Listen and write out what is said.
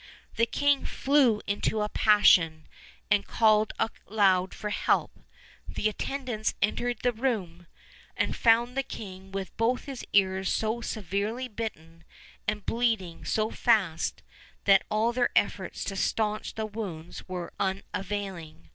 The king flew into a passion, and called aloud for help. The attendants entered the room, and found the king with both his ears so severely bitten, and bleeding so fast that all their efforts to stanch the wounds were unavailing.